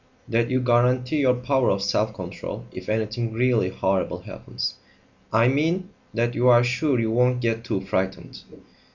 "That you guarantee your power of self control if anything really horrible happens. I mean that you are sure you won't get too frightened."